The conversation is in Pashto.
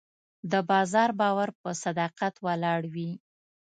د بازار باور په صداقت ولاړ وي.